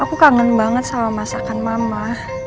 aku kangen banget sama masakan mama